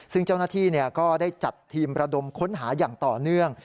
ซึ่งเจ้าหน้าที่ก็ได้จัดทีมระดมค้นหาอย่างต่อเนื่อง